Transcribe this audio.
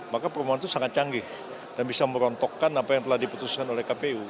maka permohonan itu sangat canggih dan bisa merontokkan apa yang telah diputuskan oleh kpu